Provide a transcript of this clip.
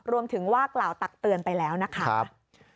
รวมถึงวากเหล่าตักเตือนไปแล้วนะครับ